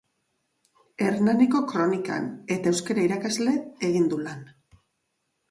Hernaniko Kronikan eta euskara irakasle egin du lan.